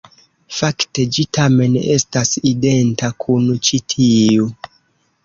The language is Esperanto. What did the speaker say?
Fakte ĝi tamen estas identa kun ĉi tiu.